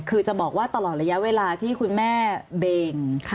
คือจะบอกว่าตลอดระยะเวลาที่คุณแม่เบ่ง